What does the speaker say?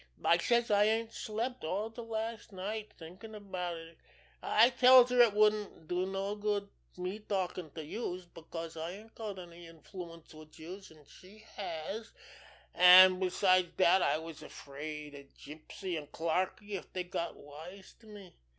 I says I ain't slept all de last night thinkin' about it. I tells her it wouldn't do no good me talkin' to youse, 'cause I ain't got any influence wid youse an' she has, an' besides dat I was afraid of Gypsy an' Clarkie if dey got wise to me.